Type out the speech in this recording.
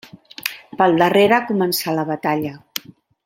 Pel darrere començà la batalla.